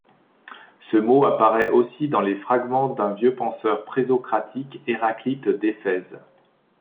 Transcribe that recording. Ce mot apparaît aussi dans les fragments d’un vieux penseur présocratique, Héraclite d'Éphèse.